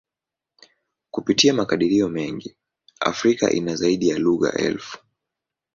Kupitia makadirio mengi, Afrika ina zaidi ya lugha elfu.